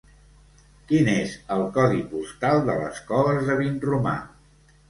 Quin és el codi postal de les Coves de Vinromà?